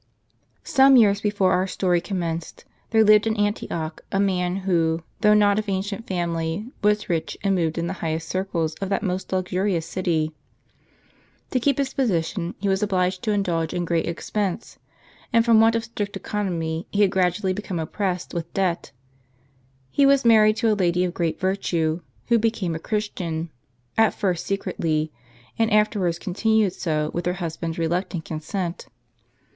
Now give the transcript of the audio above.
Some years before our story commenced, there lived in Antioch a man who, though not of ancient family, was rich, and moved in the highest circles of that most luxurious city. To keep his position, he was obliged to indulge in great expense ; and from want of strict economy, he had gradually become oppressed with debt. He was married to a lady of great virtue, who became a Christian, at first secretly, and afterwards continued so, with her husband's reluctant con ^ sent.